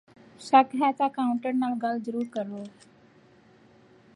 ਸ਼ੱਕ ਹੈ ਤਾਂ ਅਕਾਊਂਟੈਂਟ ਨਾਲ ਗੱਲ ਜ਼ਰੂਰ ਕਰੋ